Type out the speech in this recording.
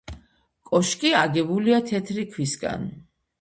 კოშკი აგებულია თეთრი ქვისგან.